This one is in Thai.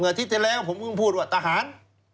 เมื่ออาทิตย์แรกผมพึ่งพูดว่าตาหาร